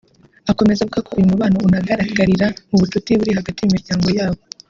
Akomeza avuga ko uyu mubano unagaragarira mu bucuti buri hagati y’imiryango ya bo